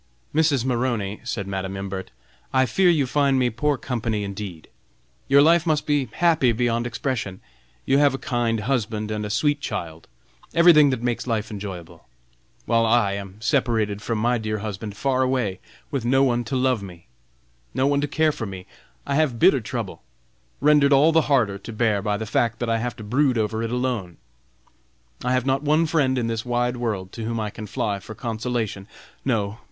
"Mrs. Maroney," said Madam Imbert, "I fear you find me poor company, indeed. Your life must be happy beyond expression. You have a kind husband, a sweet child, everything that makes life enjoyable! while I am separated from my dear husband, far away, with no one to love me! no one to care for me! I have bitter trouble, rendered all the harder to bear by the fact that I have to brood over it alone. I have not one friend in this wide world to whom I can fly for consolation. No!